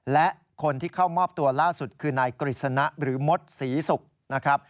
และคนที่เข้ามอบตัวล่าสุดคือนายกฤษณะหรือมดศรีศุกร์นะครับ